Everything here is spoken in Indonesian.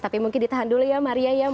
tapi mungkin ditahan dulu ya maria ya